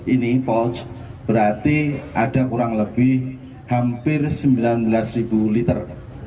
dua belas ini pouch berarti ada kurang lebih hampir sembilan belas liter